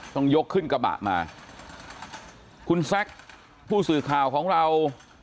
ต้องยกขึ้นกระบะมาคุณแซคผู้สื่อข่าวของเรา